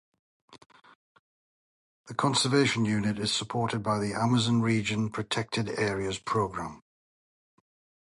The conservation unit is supported by the Amazon Region Protected Areas Program.